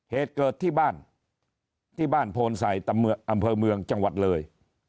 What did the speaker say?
เหตุเกิดที่บ้านที่บ้านโพนใส่อำเภอเมืองจังหวัดเลย